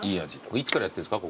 いつからやってんですか？